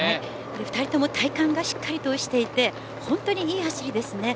２人とも体幹がしっかりとしていて本当にいい走りですね。